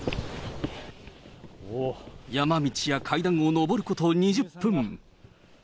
山道や階段を上ること２０分。